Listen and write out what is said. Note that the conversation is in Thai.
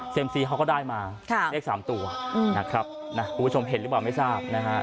ซีเขาก็ได้มาเลข๓ตัวนะครับคุณผู้ชมเห็นหรือเปล่าไม่ทราบนะฮะ